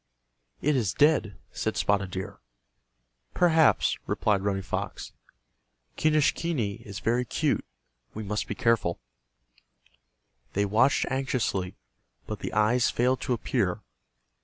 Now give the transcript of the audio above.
"It is dead," said Spotted Deer. "Perhaps," replied Running Fox. "Quenischquney is very cute, we must be careful." They watched anxiously, but the eyes failed to appear.